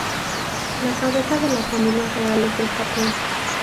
La cabeza de las familias reales del Japón.